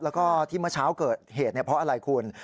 แล้วก็ที่เมื่อเช้าเกิดเหตุเพราะอะไรคุณ